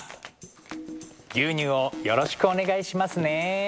牛乳をよろしくお願いしますね。